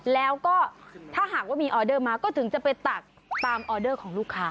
แล้วก็ถ้าหากว่ามีออเดอร์มาก็ถึงจะไปตักตามออเดอร์ของลูกค้า